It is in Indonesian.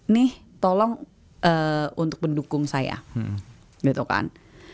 nih tolong untuk pendukung saya gitu kan